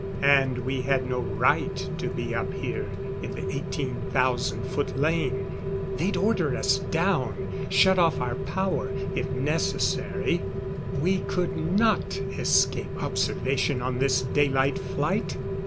And we had no right to be up here in the 18,000 foot lane. They'd order us down shut off our power, if necessary. We could not escape observation on this daylight flight.